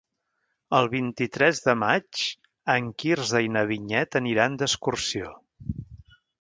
El vint-i-tres de maig en Quirze i na Vinyet aniran d'excursió.